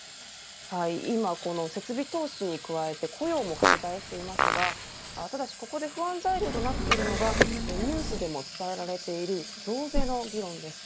今、この設備投資に加えて雇用も拡大していますがただしここで不安材料となっているのがニュースでも伝えられている増税の議論です。